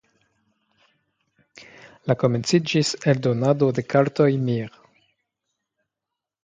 La komenciĝis eldonado de kartoj Mir.